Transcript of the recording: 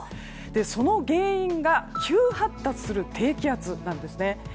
その原因が急発達する低気圧なんですね。